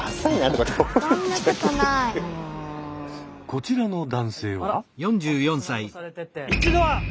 こちらの男性は。